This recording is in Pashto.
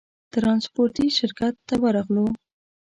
ترانسپورټي شرکت ته ورغلو.